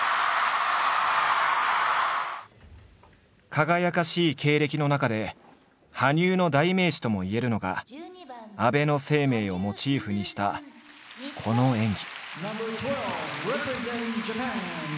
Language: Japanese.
輝かしい経歴の中で羽生の代名詞ともいえるのが安倍晴明をモチーフにしたこの演技。